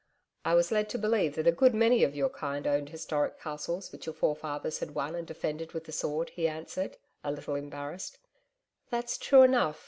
'I was led to believe that a good many of your kind owned historic castles which your forefathers had won and defended with the sword,' he answered, a little embarrassed. 'That's true enough....